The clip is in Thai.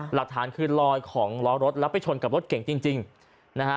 หลักฐานคือลอยของล้อรถแล้วไปชนกับรถเก่งจริงจริงนะฮะ